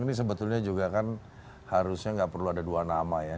ini sebetulnya juga kan harusnya nggak perlu ada dua nama ya